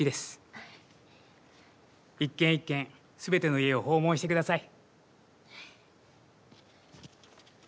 一軒一軒全ての家を訪問して下さい。